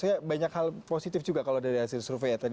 saya banyak hal positif juga kalau dari hasil survei ya tadi